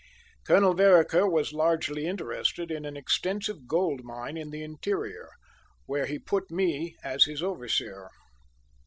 Colonel Vereker was largely interested in an extensive gold mine in the interior, where he put me as his overseer.